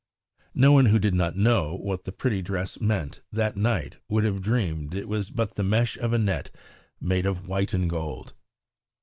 No one who did not know what the pretty dress meant that night would have dreamed it was but the mesh of a net made of white and gold.